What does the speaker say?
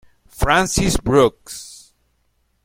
Francis Brooks.